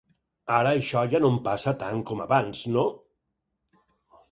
Ara això ja no em passa tant com abans, no?